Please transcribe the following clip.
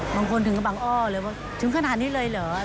บางคนถึงกระบังอ้อเลยว่าถึงขนาดนี้เลยเหรอ